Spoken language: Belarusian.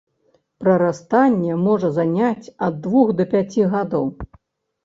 Прарастанне можа заняць ад двух да пяці гадоў.